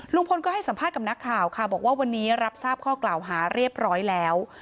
ลุงพลก็ให้สัมภาษณ์กับนักข่าวค่ะบอกว่าวันนี้รับทราบข้อกล่าวหาเรียบร้อยแล้ว